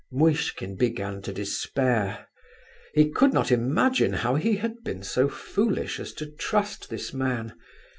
Muishkin began to despair. He could not imagine how he had been so foolish as to trust this man.